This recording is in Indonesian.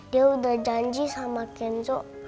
dia udah janji sama kenco